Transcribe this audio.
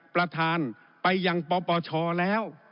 ประธานไปยังปปชแล้ว